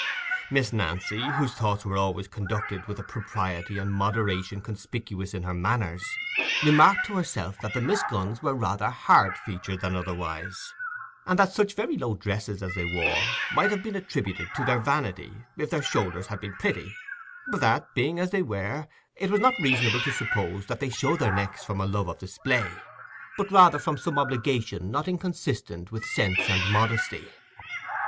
Miss Nancy, whose thoughts were always conducted with the propriety and moderation conspicuous in her manners, remarked to herself that the Miss Gunns were rather hard featured than otherwise, and that such very low dresses as they wore might have been attributed to vanity if their shoulders had been pretty, but that, being as they were, it was not reasonable to suppose that they showed their necks from a love of display, but rather from some obligation not inconsistent with sense and modesty.